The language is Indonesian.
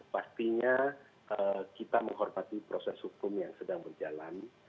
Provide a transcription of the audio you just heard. pastinya kita menghormati proses hukum yang sedang berjalan